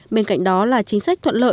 bên cạnh đó là chính sách thuận lợi